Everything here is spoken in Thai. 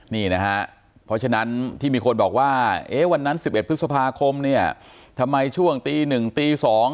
นี่นะฮะเพราะฉะนั้นที่มีคนบอกว่าวันนั้น๑๑พฤษภาคมเนี่ยทำไมช่วงตี๑ตี๒